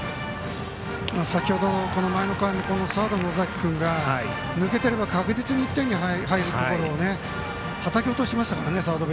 先程、前の回にサードの尾崎君が抜けていれば確実に１点入っていたところをはたき落としましたからね。